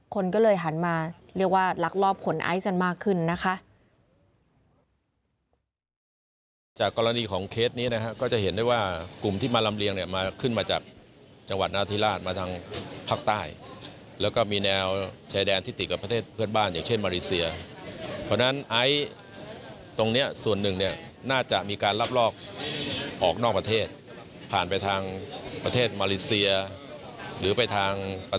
คนก็เลยหันมาเรียกว่าลักลอบขนไอซ์กันมากขึ้นนะคะ